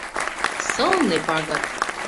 — Сылне пагыт!